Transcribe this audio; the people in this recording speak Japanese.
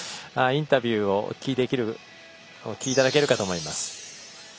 インタビューをお聞きいただけるかと思います。